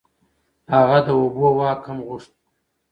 هغه د اوبو واک هم غوښت.